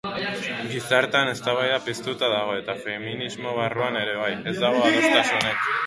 Gizartean eztabaida piztuta dago eta feminismo barruan ere bai, ez dago adostasunik.